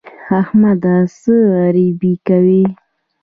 احمده! څه غريبي کوې؟